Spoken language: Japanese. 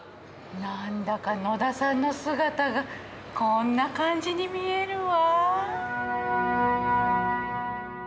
何だか野田さんの姿がこんな感じに見えるわ。